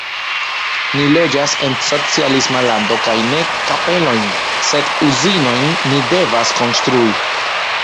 Ni loĝas en socialisma lando kaj ne kapelojn, sed uzinojn ni devas konstrui!